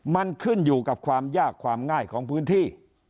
มันขึ้นอยู่กับความยากความง่ายของพื้นที่